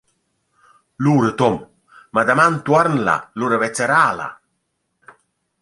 Lura Tom: «Ma daman tuorn’la, lura vezzarà’la.»